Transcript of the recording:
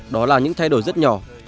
đó là những thay đổi rất nhỏ